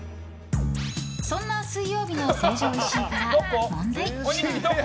そんな水曜日の成城石井から問題。